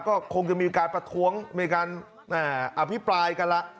ก็คงจะมีการประท้วงมีการอภิปรายกันละ